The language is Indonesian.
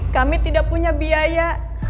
kami tidak punya biaya